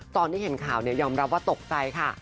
ตอนที่เห็นข่าวยอมรับว่าตกใจค่ะ